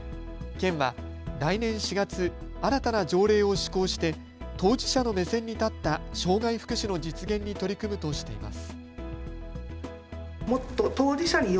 県は来年４月、新たな条例を施行して当事者の目線に立った障害福祉の実現に取り組むとしています。